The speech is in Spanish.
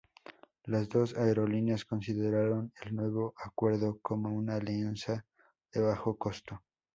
Las dos aerolíneas consideraron el nuevo acuerdo como una alianza de bajo costo.